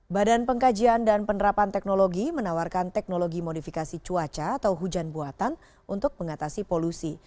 badan pengkajian dan penerapan teknologi menawarkan teknologi modifikasi cuaca atau hujan buatan untuk mengatasi polusi